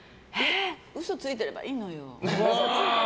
嘘ついてればいいのよ。